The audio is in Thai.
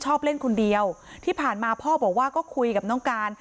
ชอบเล่นคนเดียวที่ผ่านมาพ่อบอกว่าก็คุยกับน้องการ